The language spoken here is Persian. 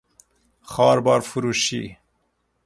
خواربار فروشی